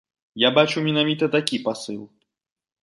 Я бачу менавіта такі пасыл.